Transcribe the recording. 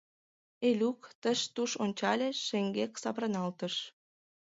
Элюк тыш-туш ончале, шеҥгек савырналтыш...